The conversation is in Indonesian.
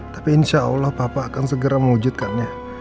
tapi insya allah papa akan segera mewujudkannya